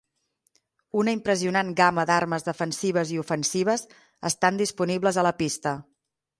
Una impressionant gamma d’armes defensives i ofensives estan disponibles a la pista.